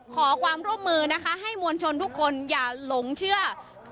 ขอความร่วมมือนะคะให้มวลชนทุกคนอย่าหลงเชื่อ